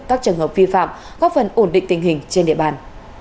các trường hợp vi phạm góp phần ổn định tình hình trên địa bàn